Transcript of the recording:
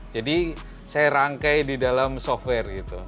jadi saya rangkai di dalam software gitu